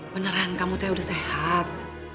beneran kamu teh udah sehat